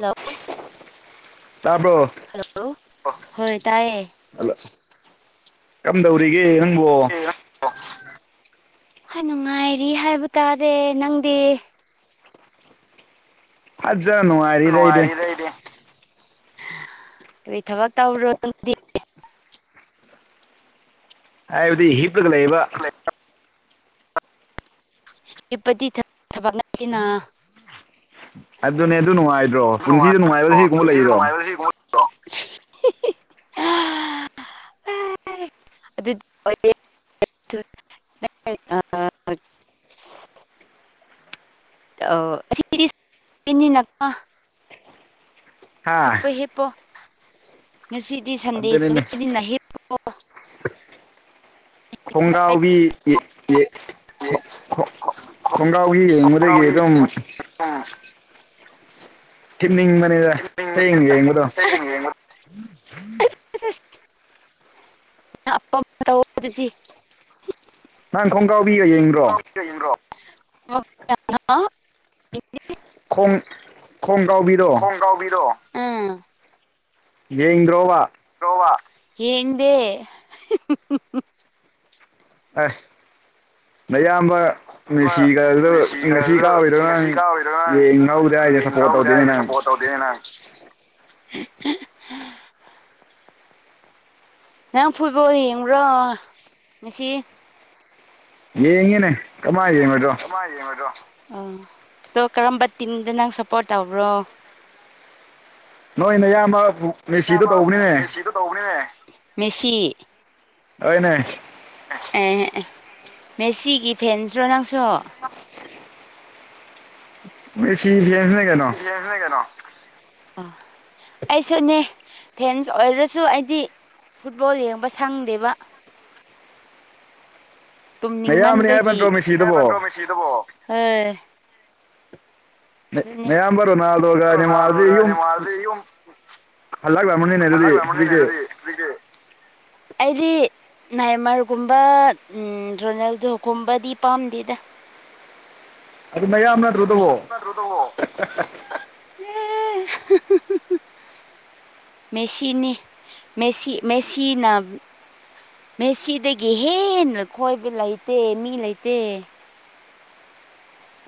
hello ꯇꯥꯔꯕ꯭ꯔꯣ hello ꯍꯣꯏ ꯇꯥꯏꯌꯦ ꯑꯂ ꯀꯝꯗꯧꯔꯤꯒ ꯅꯪꯕꯣ ꯅꯨꯡꯉꯥꯏꯔꯤ ꯍꯥꯏꯕ ꯇꯥꯔꯦ ꯅꯪꯗꯤ [unintelligible] ꯅꯨꯡꯉꯥꯏꯔꯤ [unintelligible] ꯊꯕꯛ ꯇꯧ ꯍꯥꯏꯕꯗꯤ ꯍꯤꯞꯒ ꯂꯩꯕ [unintelligible] ꯇꯤꯅ ꯑꯗꯨꯅꯦ ꯑꯗꯨ ꯅꯨꯡꯉꯥꯏꯗ꯭ꯔꯣ ꯄꯨꯟꯁꯤꯗ ꯅꯨꯡꯉꯥꯏꯕ ꯁꯤꯒꯨꯝꯕ ꯄꯨꯟꯁꯤꯗ ꯂꯩꯕ꯭ꯔꯣ ꯅꯨꯡꯉꯥꯏꯕꯁꯤ [unintelligible] [unintelligible] ꯑꯁꯤꯗꯤ [unintelligible] ꯍꯤꯞ ꯍꯥ ꯍꯤꯞꯄꫭ ꯉꯁꯤꯗꯤ ꯁꯟꯗꯦ ꯑꯗꯨꯅꯤꯅꯦ [unintelligible] ꯈꯣꯡꯒꯥꯎꯒꯤ ꯌꯦꯡꯕꯗꯒꯤ ꯑꯗꯨꯝ ꯑ ꯊꯤꯞꯅꯤꯡꯕꯅꯦꯗ ꯍꯌꯦꯡꯅꯦ ꯌꯦꯡꯕꯗꯣ [unintelligible] ꯑꯗꯨꯗꯤ ꯅꯪ ꯈꯣꯡꯒꯥꯎ [unintelligible] [unintelligible] ꯈꯣꯡ ꯈꯣꯡꯒ꯭ꯔꯥꯎꯕꯤꯗꯣ ꯈꯣꯡꯒꯥꯎꯕꯤꯔꯣ ꯎꯝ ꯌꯦꯡ ꯗ꯭ꯔꯣꯕ ꯔꯦ ꯌꯦꯡ ꯗꯦ ꯑꯦ ꯅꯌꯥꯝꯕ ꯉꯁꯤ ꯀꯗ ꯉꯁꯤ ꯀꯥ ꯃꯦꯁꯤꯒꯗ ꯑꯣꯏꯗꯣ ꯉꯁꯤ ꯀꯥꯎꯔꯤꯗꯣ ꯅꯪ ꯅꯪꯌꯦꯡ ꯉꯧꯗ꯭ꯔꯦ ꯍꯥꯏꯗꯤ ꯁꯞꯄꯣꯔꯠ ꯇꯧꯗꯦꯅꯦ ꯅꯪ ꯇꯧꯒꯅꯦꯅ ꯅꯪ ꯐꯨꯠꯕꯣꯜ ꯌꯦꯡꯉꯕ꯭ꯔꯣ ꯉꯁꯤ ꯌꯦꯉꯦꯅꯦ [unintelligible] ꯑꯗꯣ ꯀꯔꯝꯕ ꯇꯤꯝꯗ ꯅꯪ ꯁꯞꯄꯣꯔꯠ ꯇꯧꯕ꯭ꯔꯣ ꯅꯣꯏ ꯅꯏꯌꯥꯝꯕ ꯃꯦꯁꯤꯗ ꯏꯌꯥꯝꯕ ꯇꯧꯕꯅꯤꯅꯦ ꯃꯦꯁꯤꯗꯣ ꯃꯦꯁꯤ ꯑꯣꯏ ꯅ ꯑꯦ ꯃꯦꯁꯤꯒꯤ ꯐꯦꯟꯗ꯭ꯔꯣ ꯅꯪꯁꯨ [unintelligible] [unintelligible] [unintelligible] ꯀꯩꯅꯣ ꯑꯩꯁꯨꯅꯦ ꯐꯦꯟꯁ ꯑꯣꯏꯔꯁꯨ ꯑꯩꯗꯤ ꯐꯨꯠꯕꯣꯜ ꯌꯦꯡꯕ ꯁꯪꯗꯦꯕ ꯅꯌꯥꯝꯕꯅꯤ ꯍꯥꯏꯕ ꯇꯨꯝꯅꯤꯡꯃꯟꯕꯒꯤ ꯅꯠꯇ꯭ꯔꯣ ꯃꯦꯁꯤꯗꯨꯕꯣ ꯑꯗꯨꯅꯦ ꯃꯌꯥꯝꯝꯕꯔꯣꯅꯥꯗꯣꯒꯅꯤ ꯔꯣꯅꯥꯜꯗꯣꯒ ꯃꯥꯗꯤꯨꯝ ꯅꯦꯃꯥꯔꯗꯤ ꯌꯨꯝ ꯍꯜꯥꯛꯂ ꯃꯅꯤꯅꯦ ꯑꯗꯨꯗꯤ ꯍꯜꯂꯛꯂꯝꯃꯅꯤꯅꯦ ꯑꯗꯨꯦ ꯑꯗꯨꯗꯤ ꯑꯩꯗꯤ ꯅꯥꯏꯃꯔꯒꯨꯝꯕ ꯎꯝ ꯔꯣꯅꯦꯜꯗꯣꯒꯨꯝꯕꯗꯤ ꯄꯥꯝꯗꯦꯗ ꯑꯗꯨ ꯃꯌꯥꯝꯅ ꯃꯤꯗ꯭ꯔꯣ ꯃꯦꯁꯤꯅꯤꯁꯤ ꯃꯦꯁꯤꯅ ꯃꯦꯁꯤꯗꯒꯤ ꯍꯦꯟꯅ ꯈꯣꯏꯕ ꯂꯩꯇꯦ ꯃꯤ ꯂꯩꯇꯦ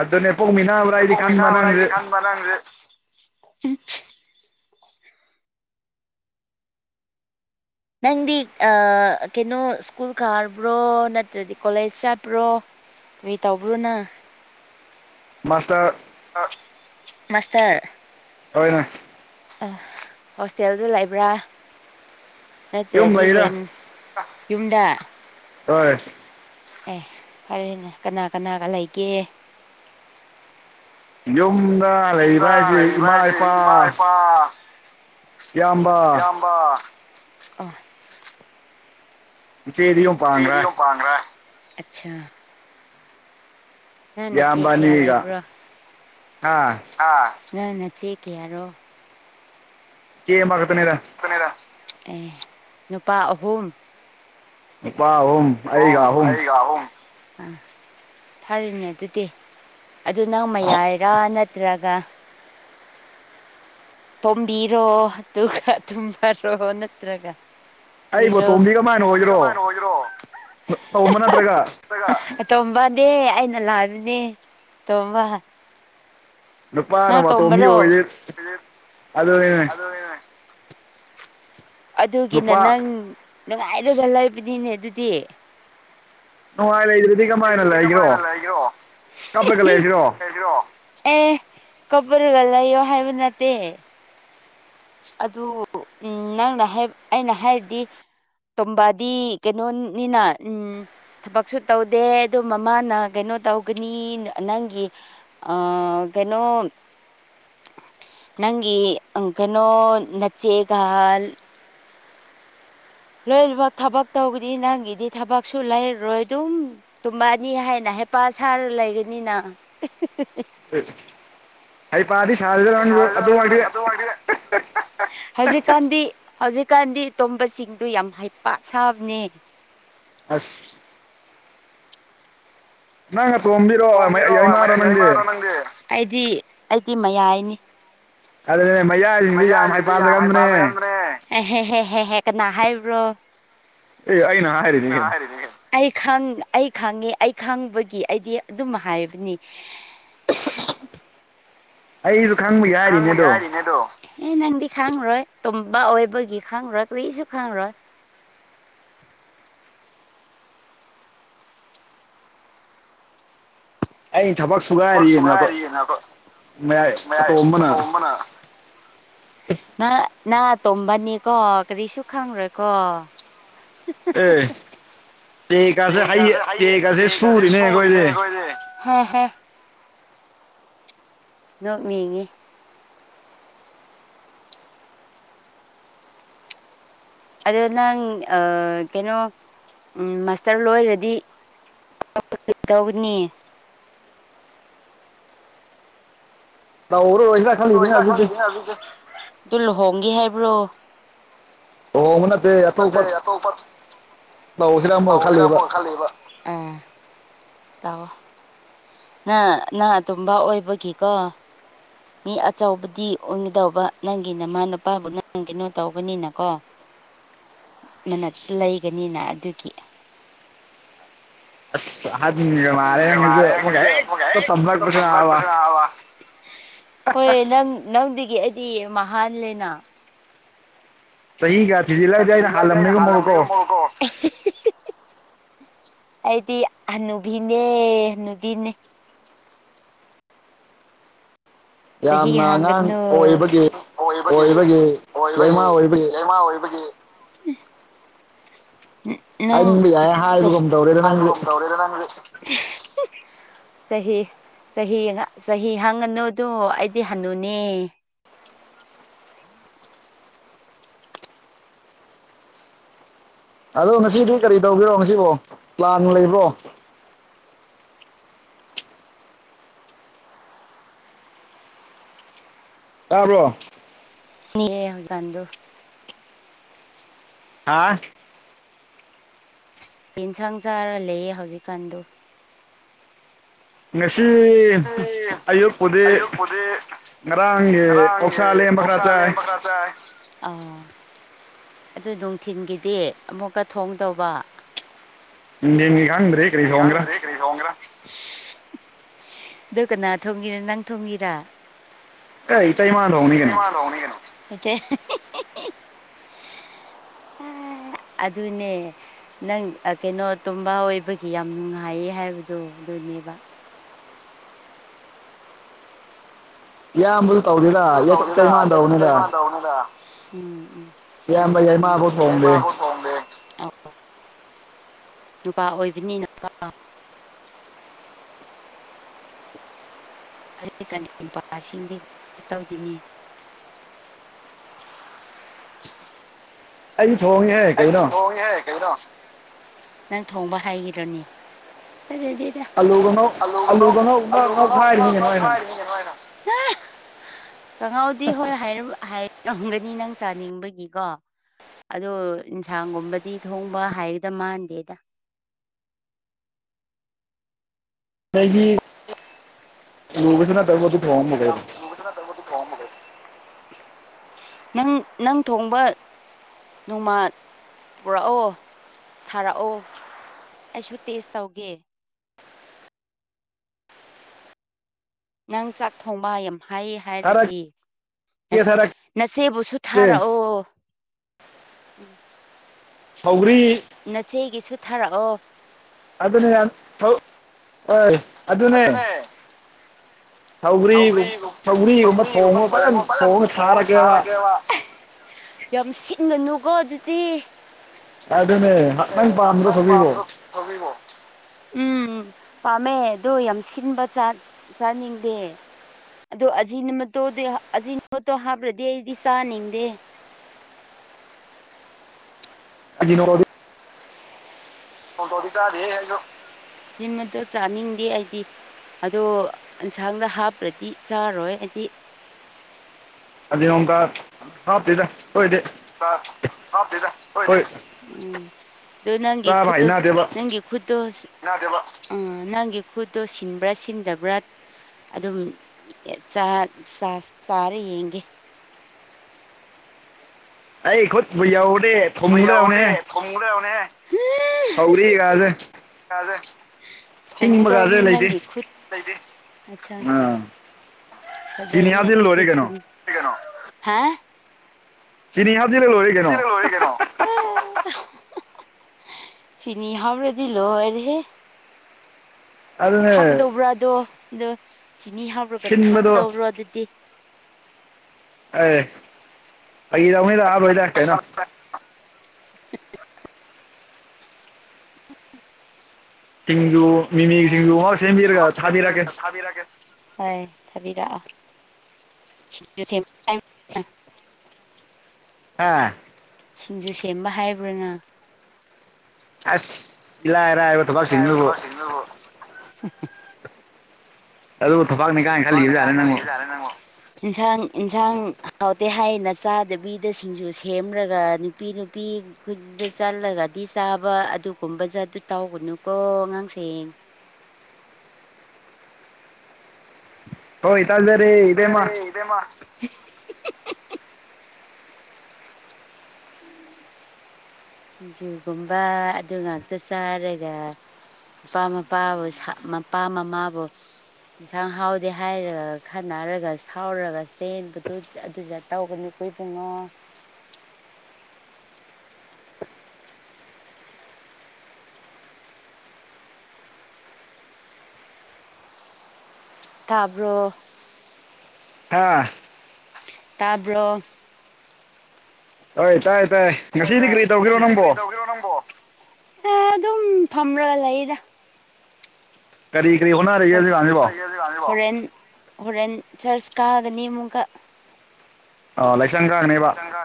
ꯑꯗꯨꯅꯦ ꯄꯣꯛꯃꯤꯅꯥꯕ꯭ꯔꯥ ꯍꯥꯏꯗꯤ ꯄꯣꯛ ꯈꯟꯕ ꯃꯤꯅꯥꯕ꯭ꯔꯥ ꯅꯪꯁꯦ [unintelligible] ꯅꯪꯗꯤ ꯑ ꯀꯩꯅꯣ ꯁ꯭ꯀꯨꯜ ꯀꯥꯕ꯭ꯔꯣ ꯅꯠꯇ꯭ꯔꯗꯤ ꯀꯣꯂꯦꯖ ꯆꯠꯕ꯭ꯔꯣ ꯀꯏ ꯇꯧꯕ꯭ꯔꯣꯅ ꯃꯥꯁꯇꯔ ꯃꯥꯁꯇꯔ ꯍꯣꯏꯅ ꯑ ꯍꯣꯁꯇꯦꯜꯗ ꯂꯩꯕ꯭ꯔꯥ ꯌꯨꯝ ꯅꯠꯇ꯭ꯔꯗꯤ ꯂꯩꯗ ꯔꯦꯟ ꯌꯨꯝꯗ ꯍꯣꯏ ꯑꯦ ꯐꯔꯦꯅꯦ ꯀꯅꯥ ꯀꯅꯥꯒ ꯂꯩꯒꯦ ꯌꯨꯝꯗ ꯂꯩꯔꯤꯕ ꯌꯨꯝꯗ ꯍꯥꯏꯁꯤ ꯂꯩꯕ ꯏꯃꯥ ꯍꯥꯏꯁꯦ ꯏꯄꯥ ꯏꯃꯥ ꯏꯄꯥ ꯏꯌꯥꯝꯕ ꯎ ꯣꯦ ꯄꯉ ꯌꯥ ꯅꯆꯦ ꯀꯌꯥ ꯑꯕꯥꯅꯤꯒ ꯍꯥꯥ ꯑ ꯅꯪ ꯅ ꯆꯦꯛ ꯀꯌꯥꯔꯣ ꯆꯌꯦ ꯄꯥꯇꯅꯔ ꯑꯦ ꯅꯨꯄꯥ ꯑꯍꯨꯝ ꯏꯄꯥꯨꯝ ꯑ ꯑꯩꯒ ꯑ ꯎꯝ ꯐꯔꯅꯦ ꯑꯗꯨꯗꯤ ꯑꯗꯨ ꯅꯪ ꯃꯌꯥꯏꯔꯥ ꯅꯠꯇ꯭ꯔꯒ ꯇꯣꯝꯕꯤꯔꯣ ꯑꯗꯨꯒ ꯇꯨꯝꯃꯔꯣ ꯅꯠꯇ꯭ꯔꯒ ꯑꯩ ꯕꯣꯇꯣꯝꯗꯤ ꯀꯃꯥꯏꯅ ꯑꯣꯏꯗꯣꯏꯔꯣ ꯇꯣꯝꯕ ꯅꯠꯇ꯭ꯔꯒ ꯔꯣꯃꯥꯏꯅ ꯇꯣꯝꯕꯅꯦ ꯑꯩꯅ ꯂꯥꯛꯕꯅꯦ ꯇꯣꯝꯕ ꯂꯨꯄꯥꯅ ꯅꯪ ꯃꯇꯣꯝꯕꯤ ꯇꯣꯝꯕꯔꯣ ꯑꯣꯏꯗꯤ ꯑꯗꯨꯅꯦ ꯑꯗꯨꯒꯤꯅ ꯅꯨꯄꯥ ꯅꯪ ꯅꯨꯡꯉꯥꯏꯔꯒ ꯂꯩꯕꯅꯤꯅꯦ ꯑꯗꯨꯗꯤ ꯍꯥꯏꯂꯗꯦ ꯂꯩ꯭ꯔꯗꯤ ꯀꯃꯥꯏꯅ ꯂꯩꯒ꯭ꯔꯣ ꯀꯞꯂꯒ ꯂꯩꯁꯤꯔꯣ ꯂꯩ꯭ꯔꯣ ꯑꯦ ꯀꯄꯔꯒ ꯂꯩꯣ ꯍꯥꯏꯕ ꯅꯠꯇꯦ ꯑꯗꯨ ꯎ ꯅꯪꯅ ꯑꯩꯅ ꯍꯥꯏꯔꯗꯤ ꯇꯣꯕꯥꯗꯤ ꯀꯩꯅꯣꯅꯤꯅ ꯎꯝ ꯊꯕꯛꯁꯨ ꯇꯧꯗꯦ ꯑꯗꯨ ꯃꯃꯥꯅ ꯀꯩꯅꯣ ꯇꯧꯒꯅꯤ ꯅꯪꯒꯤ ꯑ ꯀꯩꯅꯣ ꯅꯪꯒꯤ ꯩꯅꯣ ꯅꯆꯦꯒꯍꯜ ꯂꯣꯏꯃꯛ ꯊꯕꯛ ꯇꯧꯕꯗꯤ ꯅꯪꯒꯤꯗꯤ ꯊꯕꯛꯁꯨ ꯂꯩꯔꯔꯣꯏ ꯑꯗꯨꯝ ꯇꯨꯝꯕꯥꯅꯤ ꯍꯥꯏꯅ ꯍꯩꯄꯥ ꯁꯥꯔ ꯂꯩꯒꯅꯤꯅ ꯑꯩ ꯄꯗꯤ ꯁꯥ ꯂ ꯑꯗꯨ ꯋꯥꯔꯤ ꯍꯧꯖꯤꯛꯀꯥꯟꯗꯤ ꯍꯧꯖꯤꯛꯀꯥꯟꯗꯤ ꯇꯣꯝꯕꯁꯤꯡꯗꯨ ꯌꯥꯝ ꯍꯩ ꯄꯠ ꯁꯥꯕꯅꯦ ꯑꯁ ꯅꯪ ꯇꯣꯝꯕꯤꯔꯣ ꯣꯝꯕꯤꯔꯣ ꯅꯗꯤ ꯑꯩꯗꯤ ꯑꯩꯗꯤ ꯃꯌꯥꯏꯅꯤ ꯑꯗꯨ ꯃꯌꯥꯥ ꯃꯌꯥ ꯌꯥꯝꯗ ꯑꯦ ꯍ ꯍ ꯍꯦ ꯀꯅꯥ ꯍꯥꯏꯕ꯭ꯔꯣ ꯑꯦ ꯑꯩꯅ ꯍꯥꯏꯔꯤ ꯑꯩ ꯑꯩ ꯈꯪꯉꯦ ꯑꯩ ꯈꯪꯕꯒꯤ ꯑꯩꯗꯤ ꯑꯗꯨꯝ ꯍꯥꯏꯕꯅꯤ [unintelligible] ꯑꯩꯁꯨ ꯈꯪꯕꯨ ꯌꯥ ꯈꯪꯕ ꯌꯥꯔꯤꯅꯦꯗꯣ ꯑꯦ ꯅꯪꯗꯤ ꯈꯪꯉꯔꯣꯏ ꯇꯣꯝꯕ ꯑꯣꯏꯕꯒꯤ ꯈꯪꯉꯣꯏ ꯀꯨꯏꯁꯨ ꯈꯪꯉꯔꯣꯏ ꯑꯩꯅ ꯊꯕꯛ ꯕꯛ ꯁꯨꯒꯥꯏꯔꯤꯅ ꯃ ꯌꯥꯏ ꯑꯇꯣꯝꯕꯅ ꯅꯅꯥ ꯇꯣꯝꯕꯅꯤꯀꯣ ꯀꯔꯤꯁꯨ ꯈꯪꯔꯣꯏꯀꯣ ꯎ ꯆꯦꯛꯀꯁꯦ ꯍ ꯆꯦꯛꯀꯁꯦ ꯁꯨꯔꯤꯅꯦ ꯑꯩꯈꯣꯏꯁꯦ ꯅꯣꯛꯅꯤꯡꯉꯤ ꯑꯗꯣ ꯅꯪ ꯀꯩꯅꯣ ꯃꯥꯁꯇꯔ ꯂꯣꯏꯔꯗꯤ ꯇꯧꯅꯤ ꯔ ꯑꯣꯏꯣꯏꯁ ꯑꯗꯨ ꯂꯨꯍꯣꯡꯒꯦ ꯍꯥꯏꯕ꯭ꯔꯣ ꯑꯣꯅꯥꯗ ꯅ ꯑꯇꯣꯔ ꯂꯧꯁꯤꯅ ꯑꯃꯨꯛ ꯈꯜꯂꯤꯕ ꯎ ꯇꯥꯑꯣꯣ ꯅ ꯅꯅꯥ ꯇꯨꯝꯕ ꯑꯣꯏꯕꯒꯤꯀꯣ ꯃꯤ ꯑꯆꯧꯕꯗꯤ ꯑꯣꯏꯒꯗꯧꯕ ꯅꯪꯒꯤ ꯅꯃꯥ ꯅꯨꯄꯥꯕꯨ ꯅꯪ ꯀꯩꯅꯣ ꯇꯧꯒꯅꯤꯅꯀꯣ ꯃꯅꯥꯛꯇ ꯂꯩꯒꯅꯤꯅ ꯑꯗꯨꯒꯤ ꯑꯁ ꯁꯥ ꯍꯥ ꯃꯤ ꯑꯗꯨꯒ ꯃꯥꯔꯦꯁ ꯃꯥꯜꯂꯦ ꯅꯪꯁꯨ ꯑꯃꯨꯛꯀ ꯊꯝꯕꯛ ꯍꯦꯛꯇ ꯇꯝꯂꯛꯄꯁꯦ ꯄꯑ ꯅꯥꯕ ꯍꯣꯏ ꯅꯪ ꯅꯪꯗꯒꯤ ꯑꯩꯗꯤ ꯃꯍꯥꯜꯂꯦꯅ ꯁ ꯆꯍꯤꯒ ꯊꯤꯖꯤ ꯗꯤꯖꯤꯂꯥꯏꯗꯏꯅ ꯍꯜ ꯂꯝꯨꯝꯅꯩꯨꯝꯑꯣꯣ ꯇꯣ ꯑꯩꯗꯤ ꯑꯅꯨꯕꯤꯅꯦꯅꯨꯕꯤꯅꯦ ꯆꯍꯤ ꯌꯥꯝꯅ ꯑꯉꯥꯡ ꯍꯥꯡꯒꯗꯅꯕ ꯑꯣꯏꯕꯒꯤ ꯑꯣꯏꯕꯒꯤ ꯑꯣꯏꯕꯒꯤ ꯂꯩꯃꯥ ꯑꯣꯏꯕꯒꯤ ꯍꯥꯏꯅꯤꯡꯕ ꯌꯥꯏ ꯍꯥꯏꯕꯒꯨꯝ ꯇꯧꯔꯦꯗ ꯅꯪꯗꯤ ꯪ ꯆꯍꯤ ꯆꯍꯤ ꯆꯍꯤ ꯍꯪꯉꯅꯨꯗ ꯑꯩꯗꯤ ꯍꯅꯨꯅꯦ ꯑꯗꯣ ꯉꯁꯤꯗꯤ ꯀꯔꯤ ꯇꯧꯒꯔꯣ ꯉꯁꯤꯕꯣ ꯄ꯭ꯂꯥꯟ ꯂꯩꯕ꯭ꯔꯣ ꯇꯥꯕ꯭ꯔꯣ ꯅ ꯍꯧꯖ ꯑꯗꯨ ꯍꯥ ꯌꯦꯟꯁꯥꯡ ꯆꯥꯔ ꯂꯩꯌꯦ ꯍꯧꯖꯤꯛꯀꯥꯟꯗꯣ ꯅꯁꯤ ꯎ ꯑꯣꯄꯗ ꯉꯔꯥꯡꯒꯤ ꯉꯔꯦ ꯑꯣꯛꯁꯥ ꯂꯦꯝꯕ ꯈꯔ ꯆꯥꯏ ꯑꯣꯁꯂꯕꯈ꯭ꯔꯥꯇ ꯑꯥ ꯑꯗꯨ ꯅꯨꯡꯊꯤꯤꯟꯒꯤꯗꯤ ꯑꯃꯨꯛꯀ ꯊꯣꯡꯗꯧꯕ ꯅꯤꯒ ꯍꯥꯟꯗ꯭ꯔꯦ ꯍꯪ꯭ꯔꯦꯛ ꯑꯗꯣ ꯀꯅꯥ ꯊꯣꯝꯒꯤꯔꯣ ꯅꯪ ꯊꯣꯒꯤꯔꯥ ꯑꯦ ꯏꯇꯩꯃꯥꯅ ꯊꯣꯡꯅꯤ ꯀ ꯀꯩꯅꯣ ꯑꯗꯨꯅꯦ ꯅꯪ ꯀꯩꯅꯣ ꯇꯨꯝꯝꯕ ꯑꯣꯏꯕꯒꯤ ꯀ ꯌꯥꯝ ꯅꯨꯡꯉꯥꯏꯌꯦ ꯍꯥꯏꯕꯗꯣ ꯑꯗꯨꯅꯦꯕ ꯌꯥ ꯑꯃꯛ ꯇꯧꯁꯤꯔ ꯑꯗꯨ ꯇꯧꯗꯦꯗ ꯆꯩꯃꯥꯟ ꯇꯧꯅꯤꯗ ꯌꯥꯏꯃꯥꯟ ꯇꯧꯕꯅꯤꯗ ꯎꯝ ꯎꯝ ꯆꯨꯝꯃꯦ ꯏꯌꯥꯝꯕ ꯆꯨꯝꯃꯦ ꯌꯥꯏꯃꯥꯐꯧ ꯊꯣꯡꯗꯦ ꯌꯥꯏꯃꯥꯕꯨ ꯊꯣꯡꯗꯦ ꯅꯨꯄꯥ ꯑꯣꯏꯕꯅꯤꯅ ꯀ ꯑꯗꯨ ꯀꯁꯤꯡꯗꯤ ꯇꯧꯗꯅꯦ ꯑꯩ ꯊꯣꯡꯉ ꯑꯩ ꯅꯪ ꯊꯣꯡꯕ ꯍꯥꯏꯈꯤꯔꯣꯅꯦ ꯑꯂꯨꯒ ꯉꯧ ꯑꯥꯂꯨ ꯀꯅꯧ ꯑꯂꯨꯒ ꯉꯧ ꯉꯧ ꯑꯥꯂꯨ ꯀꯅꯧ ꯉꯧꯈꯥꯏꯔꯤꯅꯤ ꯀꯩꯅꯣ ꯑꯩꯅ ꯉꯧꯈꯥꯏꯔꯤꯅꯤ ꯀꯩꯅꯣ ꯑꯩꯅ ꯀꯉꯥꯎꯗꯤ ꯍꯣꯏ ꯍꯥꯏꯔꯝꯒꯅꯤ ꯅꯪ ꯆꯥꯅꯤꯡꯕꯒꯤꯀꯣ ꯑꯗꯣ ꯌꯦꯟꯁꯥꯡꯒꯨꯝꯕꯗꯤ ꯊꯣꯡꯕ ꯍꯥꯏꯒꯗ ꯃꯥꯟꯗꯦꯗ ꯑꯩꯗꯤ [unintelligible] ꯌꯥꯝ ꯆꯅ ꯇꯃꯗꯨ ꯀꯝꯝꯕꯗ ꯅꯪ ꯅꯪ ꯊꯣꯡꯕ ꯅꯣꯡꯃ ꯄꯨꯔꯛꯑꯣ ꯊꯥꯔꯛꯑꯣ ꯑꯩꯁꯨ ꯇꯦꯁ ꯇꯧꯒꯦ ꯅꯪ ꯆꯥꯛ ꯊꯣꯡꯕ ꯑꯦꯝ ꯍꯥꯏꯌꯦ ꯍꯥꯏꯔꯗꯤ ꯊꯥꯔꯛꯀꯦ ꯊꯥꯔꯛꯀꯦ ꯅꯆꯦꯕꯨꯁꯨ ꯊꯥꯔꯛꯑꯣ ꯁꯥꯎꯒꯔꯤ ꯅꯆꯦꯒꯤꯁꯨ ꯊꯥꯔꯛꯑꯣ ꯑꯗꯨꯅꯦ ꯌꯥꯝ ꯍꯣꯏ ꯑꯗꯨꯅꯦ ꯁꯧꯒꯔꯤꯒꯨꯝ ꯁꯧꯒ꯭ꯔꯤꯒꯨꯝꯕ ꯊꯣꯡꯉ ꯐꯖꯅ ꯊꯣꯡꯉ ꯁꯥꯔꯒꯦꯕ ꯌꯥꯝ ꯁꯤꯠꯂꯅꯨꯀꯣ ꯑꯗꯨꯗꯤ ꯑꯗꯨꯅꯦꯍ ꯅꯪ ꯄꯥꯝꯗ꯭ꯔꯣ ꯁꯤꯕꯣ [unintelligible] ꯎꯝ ꯄꯥꯝꯃꯦ ꯑꯣ ꯌꯥꯝ ꯁꯤꯟꯕ ꯆꯥꯅꯤꯡꯗꯦ ꯑꯗꯣ ꯑꯖꯤ ꯃꯇꯣꯗꯤ ꯑꯖꯤ ꯃꯇꯣ ꯍꯥꯞꯄ꯭ꯔꯗꯤ ꯑꯩꯗꯤ ꯆꯥꯅꯤꯡꯗꯦ ꯑꯗꯨ ꯅꯣꯡꯉꯗꯤ ꯖꯤꯝ ꯑꯗꯨꯗ ꯆꯥꯅꯤꯡꯗꯦ ꯑꯩꯗꯤ ꯑꯗꯣ ꯑꯦꯟꯁꯥꯡꯗ ꯍꯥꯞꯄ꯭ꯔꯗꯤ ꯆꯥꯔꯣꯏ ꯍꯥꯏꯗꯤ ꯑꯗꯨ [unintelligible] ꯀ ꯍꯥꯥꯞꯇꯦꯗ ꯍꯣꯏꯗꯤ ꯑ ꯍꯥꯞꯇꯗ ꯑꯣꯏꯗꯤ ꯎꯝ ꯑꯗꯨ ꯅꯪꯒꯤ ꯆꯥꯕ ꯈꯗ ꯍꯩꯅꯗꯦꯕ ꯅꯪꯒꯤ ꯈꯗ ꯎꯝ ꯅꯪꯒꯤ ꯈꯨꯠꯇꯣ ꯁꯤꯟꯕ꯭ꯔꯥ ꯁꯤꯟꯗꯕ꯭ꯔꯥ ꯑꯗꯨꯝ ꯆꯥꯔ ꯌꯦꯡꯒꯦ ꯑꯩ ꯈꯨꯠꯄꯨ ꯌꯧꯔꯗꯤ ꯊꯨꯝꯒꯗꯕꯅꯦ ꯄꯎꯗꯦ ꯊꯣꯡꯃꯔ ꯎꯅ ꯁꯧꯒ꯭ꯔꯤꯒꯁꯦ ꯁꯤꯡꯕꯒꯁꯦ ꯊꯣꯡꯗꯅꯤ ꯂꯩꯇꯦ ꯅꯪꯒꯤ ꯈꯨ ꯀꯗꯅꯦ ꯑꯥ ꯆꯤꯅꯤ ꯍꯥꯞꯆꯤꯜ ꯂꯣꯏꯔꯦ ꯊ ꯀꯩꯅꯣ ꯍꯥ ꯆꯤꯡꯅꯤꯍꯥꯗ ꯂꯣꯏꯔꯦ [unintelligible] ꯀꯩꯅꯣ ꯆꯤꯅꯤ ꯍꯥꯕꯔꯗꯂꯣ ꯂꯣꯏꯔꯦꯍꯦ ꯑꯗꯨꯅꯦ ꯊꯥꯛꯀꯗꯧꯕ꯭ꯔꯥ ꯑꯗꯣ ꯑꯗꯣ ꯆꯤꯅꯤ ꯍꯥꯞꯄ꯭ꯔꯒ ꯁꯤꯟꯕꯗꯣ ꯊꯥꯛꯀꯗꯧꯕ꯭ꯔꯣ ꯑꯗꯨꯗꯤ ꯑꯦ ꯑꯩꯔꯅꯤ ꯂꯔ ꯂꯥꯛ ꯀꯅ [inaudible] ꯁꯤꯡꯖꯨ ꯃꯤꯃꯤ ꯁꯤꯡꯖꯨ ꯑꯃ ꯁꯦꯝꯕꯤꯔꯒ ꯊꯥꯕꯤꯔꯛꯑꯀꯦ ꯕꯤꯔꯒꯦ ꯍ ꯊꯥꯕꯤꯔꯛꯑꯣ ꯁꯤꯁꯨ ꯁꯦꯝ ꯑꯥ ꯁꯤꯡꯖꯨ ꯁꯦꯝꯕ ꯍꯥꯏꯕ꯭ꯔꯅ ꯑꯁ ꯏꯂꯔ ꯑ ꯏꯕ ꯊ ꯃꯥ ꯁꯤꯕꯨ ꯑꯗꯨꯕꯨ ꯊꯕꯥꯛꯅꯤ ꯀꯥꯏꯅ ꯈꯜꯂꯤꯕꯖꯥꯔꯦ ꯅꯪꯉꯣ ꯐꯉꯣ ꯏꯟꯁꯥꯡ ꯌꯦꯟꯁꯥꯡ ꯍꯥꯎꯇꯦ ꯍꯥꯏꯌꯦꯅ ꯆꯥꯗꯕꯤꯗ ꯁꯤꯡꯁꯨ ꯁꯦꯝꯂꯒ ꯅꯨꯄꯤ ꯅꯨꯄꯤ ꯈꯨꯟꯗ ꯆꯠꯂꯒꯗꯤ ꯆꯥꯕ ꯑꯗꯨꯒꯨꯝꯕꯁꯦ ꯑꯗꯨ ꯇꯧꯒꯅꯨꯀꯣ ꯑꯉꯥꯡꯁꯌꯦꯡ ꯍꯣꯇꯜꯗꯦꯔꯦ ꯏꯗꯦ ꯃꯥ ꯏꯗꯦꯃ [inaudible] ꯁꯤꯡꯖꯨꯒꯨꯝꯕ ꯑꯗꯨ ꯉꯥꯛꯇ ꯆꯥꯔꯒ ꯃꯄꯥ ꯃꯄꯥꯕꯨ ꯃꯄꯥ ꯃꯃꯥꯕꯨ ꯌꯦꯟꯁꯥꯡ ꯍꯥꯎꯗꯦ ꯍꯥꯏꯔꯒ ꯈꯟꯅꯔꯒ ꯁꯥꯎꯔꯒ ꯆꯦꯟꯕꯗꯨ ꯑꯗꯨꯗ ꯇꯧꯒꯅꯨ ꯑꯩꯣꯏ ꯄꯨꯡꯉꯣ ꯇꯥꯕ꯭ꯔꯣ ꯍꯥꯥ ꯇꯥꯕ꯭ꯔꯣ ꯍꯣꯏ ꯇꯥꯏ ꯇꯥꯏꯌꯦ ꯑꯗꯨꯝ ꯐꯒ ꯂꯩꯗ ꯀꯔꯤ ꯀꯔꯤ ꯍꯣꯠꯅꯔꯤꯒꯦꯖꯤꯔꯥꯟꯁꯤꯕꯣ ꯍꯣꯔꯦꯟ ꯍꯣꯔꯦꯟ ꯆꯔꯆ ꯀꯥꯒꯅꯤ ꯑꯃꯨꯛꯀ ꯑ ꯂꯥꯏꯁꯪꯒꯥꯡꯅꯦꯕ ꯅꯪ